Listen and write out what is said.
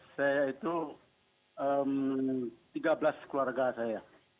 saya itu tiga belas keluarga saya